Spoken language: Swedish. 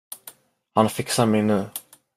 Han fixar mig nu.